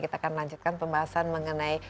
kita akan lanjutkan pembahasan mengenai